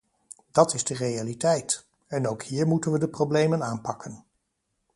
Dat is de realiteit, en ook hier moeten we de problemen aanpakken.